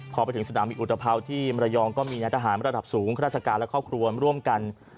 พอไปถึงสนามบินอุตภาวที่มรยองก็มีนายทหารระดับสูงข้าราชการและครอบครัวร่วมกัน